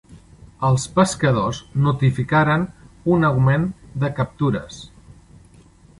Els pescadors notificaren un augment de captures.